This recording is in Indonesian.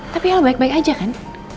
tapi ya baik baik aja kan